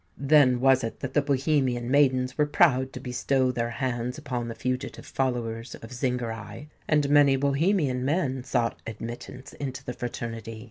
Then was it that the Bohemian maidens were proud to bestow their hands upon the fugitive followers of Zingarai; and many Bohemian men sought admittance into the fraternity.